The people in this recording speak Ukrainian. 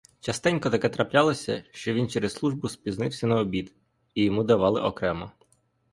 Частенько таке траплялося, що він через службу спізнився на обід і йому давали окремо.